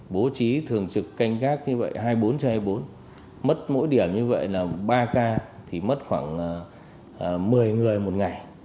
bố trí thường trực canh gác như vậy hai mươi bốn trên hai mươi bốn mất mỗi điểm như vậy là ba ca thì mất khoảng một mươi người một ngày